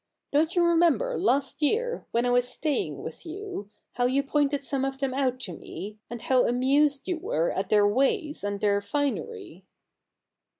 Don't you remember last year, when I was staying with you, how you pointed some of them out to me, and how amused you were at their ways and their finery